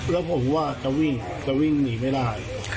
แล้วผมว่าจะวิ่งจะวิ่งหนีไม่ได้